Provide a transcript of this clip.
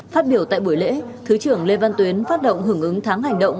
phát biểu tại buổi lễ thứ trưởng lê văn tuyến phát động hưởng ứng tháng hành động